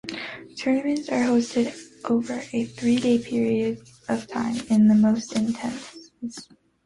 Tournaments are hosted over a three-day period of time, in most instances.